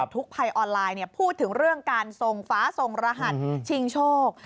ภัยออนไลน์พูดถึงเรื่องการทรงฟ้าทรงรหัสชิงโชค